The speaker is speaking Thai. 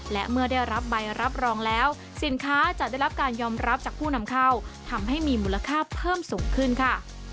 และเมื่อได้รับใบรับรองแล้วสินค้าจะได้รับการยอมรับจากผู้นำเข้าทำให้มีมูลค่าเพิ่มสูงขึ้นค่ะ